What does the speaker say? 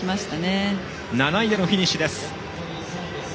７位でのフィニッシュです。